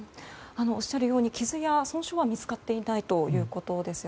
おっしゃるように傷や損傷は見つかっていないということです。